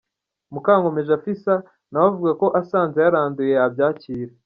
Mukankomeje Afissa nawe avuga ko asanze yaranduye yabyakira.